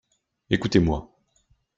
Écoutez-moi.